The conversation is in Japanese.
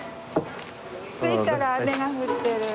着いたら雨が降ってる。